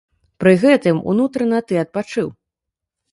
Пры гэтым, унутрана ты адпачыў.